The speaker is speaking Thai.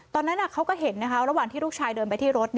ตอนนั้นเขาก็เห็นระหว่างที่ลูกชายเดินไปที่รถ